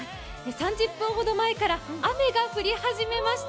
３０分ほど前から雨が降り始めました。